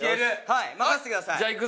はい任せてください。